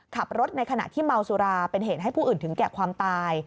ขับรถในขณะที่เมาสุราเป็นเหตุให้ผู้อื่นถึงแก่ความตาย